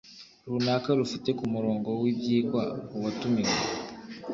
runaka rufite ku murongo w ibyigwa Uwatumiwe